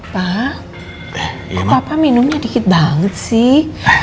pak kok papa minumnya dikit banget sih